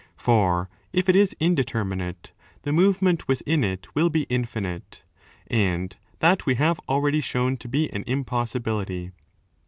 For, if it is indeter minate, the movement within it will be infinite?; and that we have already shown to be an impossibility.